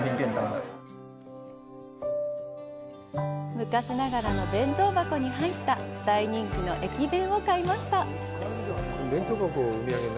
昔ながらの弁当箱に入った大人気の駅弁を買いました。